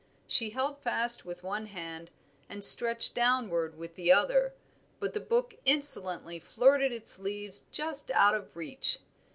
She held fast with one hand and stretched downward with the other, but the book insolently flirted its leaves just out of reach.